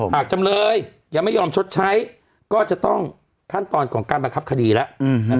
จำเลยยังไม่ยอมชดใช้ก็จะต้องขั้นตอนของการบังคับคดีแล้ว